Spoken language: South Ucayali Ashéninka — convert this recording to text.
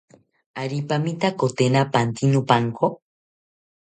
¿Ari pamitakotakina pante nopanko?